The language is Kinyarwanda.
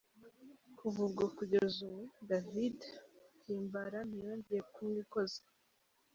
Kuva ubwo kugeza ubu David Himbara ntiyongeye kumwikoza.